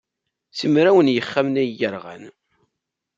Simraw n yixxamen ay yerɣan.